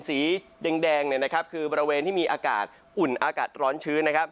สีแดงคือบริเวณที่มีอากาศอุ่นอากาศร้อนชื้น